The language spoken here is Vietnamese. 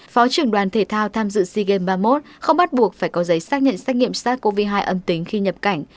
phó trưởng đoàn thể thao tham dự sea games ba mươi một không bắt buộc phải có giấy xác nhận xét nghiệm sars cov hai âm tính khi nhập cảnh